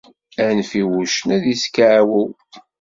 Anef i wuccen ad iskaɛwew.